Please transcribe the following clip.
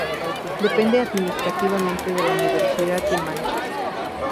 Depende administrativamente de la Universidad de Mánchester.